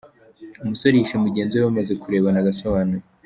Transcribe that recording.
Umusore yishe mugenzi we bamaze kurebana agasobanuye